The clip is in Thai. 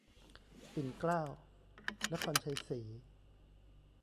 ปิ่นเกล้า นครชัยศรี